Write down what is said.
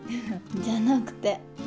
じゃなくて。